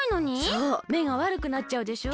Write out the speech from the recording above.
そうめがわるくなっちゃうでしょ？